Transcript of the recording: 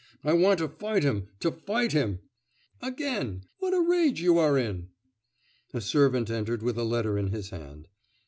'I want to fight him, to fight him!...' 'Again! What a rage you are in!' A servant entered with a letter in his hand.